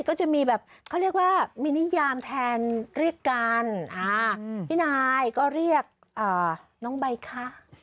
ก็จะมีแบบเขาเรียกว่ามีนิยามแทนเรียกกันพี่นายก็เรียกน้องใบคะ